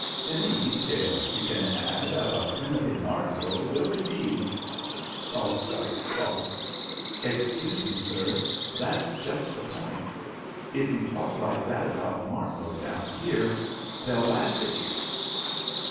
Any details you can add about Timothy Martlow will indeed " Fosdike coughed. "Excuse me, sir, that's just the point. If you talk like that about Martlow down here, they'll laugh at you."